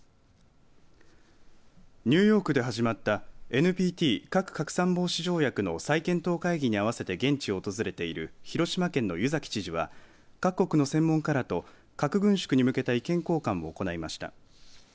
ニューヨークで始まったＮＰＴ、核拡散防止条約の再検討会議に合わせて現地を訪れている広島県の湯崎知事は各国の専門家らと核軍縮に向けた意見交換を行いました。